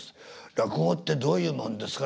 「落語ってどういうもんですか」